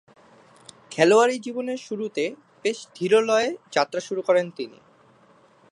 খেলোয়াড়ী জীবনের শুরুতে বেশ ধীরলয়ে যাত্রা শুরু করেন তিনি।